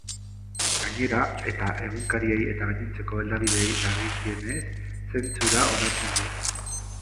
Gainera, eta egunkariei eta gainontzeko hedabideei dagikienez, zentsura onartzen du.